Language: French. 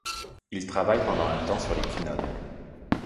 Il travaille pendant un temps sur les quinones.